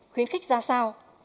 khuyến khích ra sao